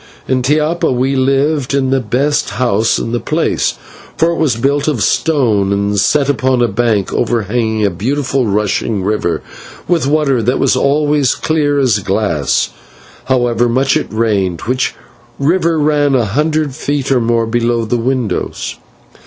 In Tiapa we lived in the best house in the place, for it was built of stone and set upon a bank overhanging a beautiful rushing river with water that was always clear as glass, however much it rained, which river ran a hundred feet or more below the windows.